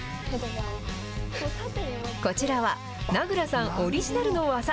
こちらは名倉さんオリジナルの技。